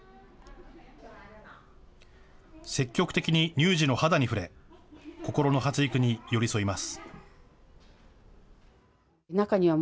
積極的に乳児の肌に触れ、心の発育に寄り添います。